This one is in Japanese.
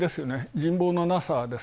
人望のなさです。